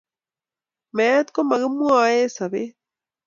Meet komakimwee eng sobeet.